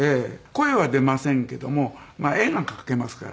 声は出ませんけどもまあ絵が描けますから。